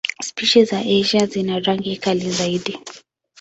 Spishi za Asia zina rangi kali zaidi.